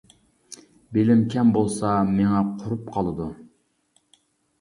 بىلىم كەم بولسا، مېڭە قۇرۇپ قالىدۇ.